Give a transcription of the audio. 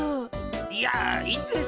いやいいです。